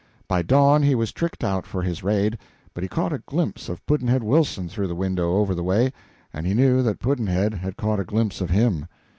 By dawn he was tricked out for his raid, but he caught a glimpse of Pudd'nhead Wilson through the window over the way, and knew that Pudd'nhead had caught a glimpse of him.